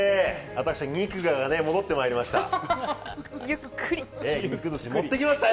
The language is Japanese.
私、ニクガが戻ってまいりました。